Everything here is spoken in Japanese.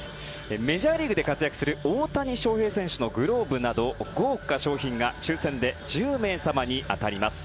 メジャーリーグで活躍する大谷翔平選手のグローブなど豪華賞品が抽選で１０名様に当たります。